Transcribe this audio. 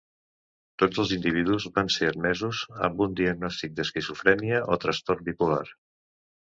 Tots els individus van ser admesos amb un diagnòstic d'esquizofrènia o trastorn bipolar.